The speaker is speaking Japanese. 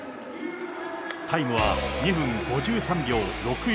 タイムは２分５３秒６１。